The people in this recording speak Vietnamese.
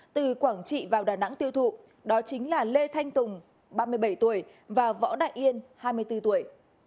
từ quảng trị vào đà nẵng tiêu thụ đó chính là lê thanh tùng ba mươi bảy tuổi và võ đại yên hai mươi bốn tuổi